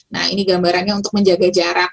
nah ini gambarannya untuk menjaga jarak